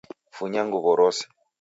Funya nguw'o rose.